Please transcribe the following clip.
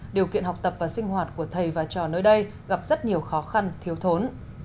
điều kiện học tập và sinh hoạt của thầy và trò nơi đây gặp rất nhiều khó khăn thiếu thốn